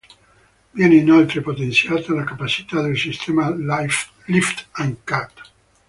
Viene inoltre potenziata la capacità del sistema "Lift and cut".